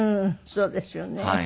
そうですよね。